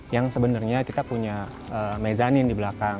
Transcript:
yang sebenarnya kita punya mezanin di belakang